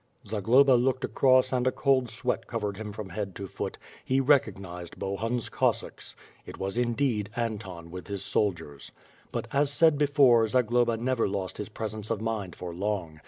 Zagloba looked across and a cold sweat covered him from head to foot; he recognized Bohun's Cossacks. It was indeed Anton with his soldiers. But as said before, Zagloba never lost his presence of mind for long.